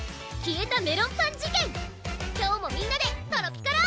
今日もみんなでトロピカろう！